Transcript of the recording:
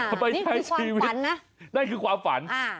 อ้านี่คือความฝันนะ